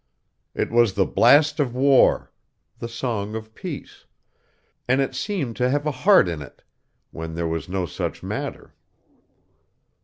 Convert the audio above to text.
It was the blast of war the song of peace; and it seemed to have a heart in it, when there was no such matter.